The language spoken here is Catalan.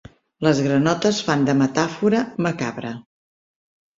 Les granotes fan de metàfora macabra.